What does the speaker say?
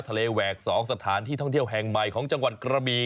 แหวก๒สถานที่ท่องเที่ยวแห่งใหม่ของจังหวัดกระบี